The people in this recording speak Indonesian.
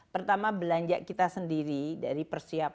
pertama belanja kita sendiri dari persiapan untuk merecover bali